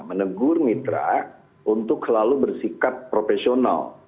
menegur mitra untuk selalu bersikap profesional